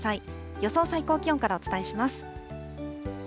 予想最高気温からお伝えします。